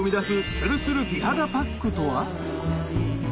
つるつる美肌パックとは？